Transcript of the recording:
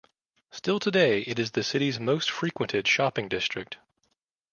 Still today it is the city's most frequented shopping district.